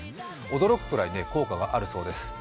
驚くくらい効果があるそうです。